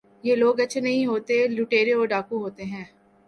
یہ لوگ اچھے نہیں ہوتے ، لٹیرے اور ڈاکو ہوتے ہیں ۔